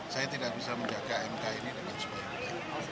saya tidak bisa menjaga mk ini dengan semangat